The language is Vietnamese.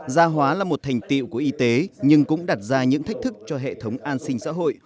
gia hóa là một thành tiệu của y tế nhưng cũng đặt ra những thách thức cho hệ thống an sinh xã hội